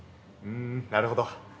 んんなるほど。